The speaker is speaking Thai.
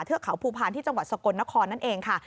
เขาภูพาลที่จังหวัดสกลนครนั่นเองค่ะ